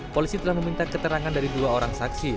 polisi telah meminta keterangan dari dua orang saksi